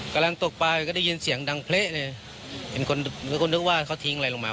กำลังตกปลาก็ได้ยินเสียงดังเละเลยเห็นคนนึกว่าเขาทิ้งอะไรลงมา